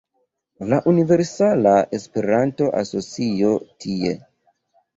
La Universala Esperanto-Asocio tie